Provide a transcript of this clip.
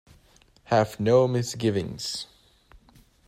Have no misgivings.